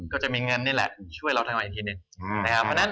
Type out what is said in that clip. ก็จะมีเงินนี่แหละช่วยเราทำให้อีกทีหนึ่ง